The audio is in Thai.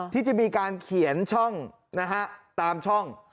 ที่จะมีการเขียนช่องนะฮะตามช่อง